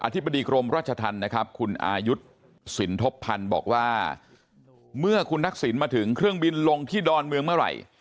ธิบดีกรมราชธรรมนะครับคุณอายุสินทบพันธ์บอกว่าเมื่อคุณทักษิณมาถึงเครื่องบินลงที่ดอนเมืองเมื่อไหร่